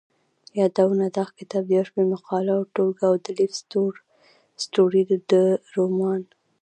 يادونه دغه کتاب د يو شمېر مقالو ټولګه او د لېف تولستوري د رومان.